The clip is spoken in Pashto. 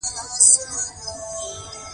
د کارګرانو شور او ځوږ هر خوا اوریدل کیده.